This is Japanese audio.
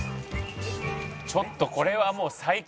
ちょっとこれはもう最高！